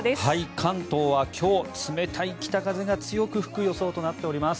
関東は今日冷たい北風が強く吹く予想となっています。